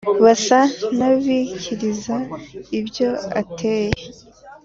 basa n’abikiriza ibyo ateye.